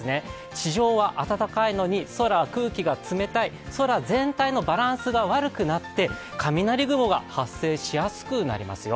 地上は暖かいのに空は空気が冷たい空全体のバランスが悪くなって雷雲が発生しやすくなりますよ。